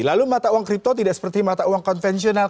lalu mata uang kripto tidak seperti mata uang konvensional